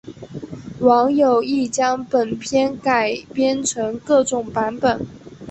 网友亦将本片改编成各种版本。